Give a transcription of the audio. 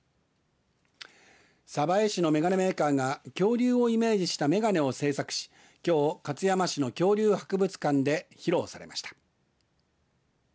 鯖江市の眼鏡メーカーが恐竜をイメージした眼鏡を製作しきょう勝山市の恐竜博物館で披露されました。